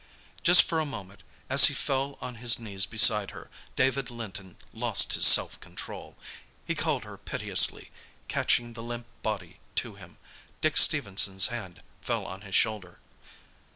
Just for a moment, as he fell on his knees beside her, David Linton lost his self control. He called her piteously, catching the limp body to him. Dick Stephenson's hand fell on his shoulder.